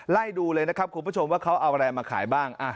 ไล่ดูเลยนะครับคุณผู้ชมว่าเขาเอาอะไรมาขายบ้าง